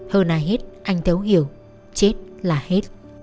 hơn ai hết anh thấu hiểu chết là hết